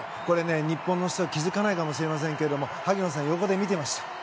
日本の人は気づかないかもしれませんが萩野さん、横で見ていました。